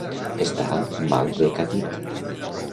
Estar mal decatit.